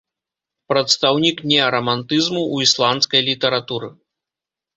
Прадстаўнік неарамантызму ў ісландскай літаратуры.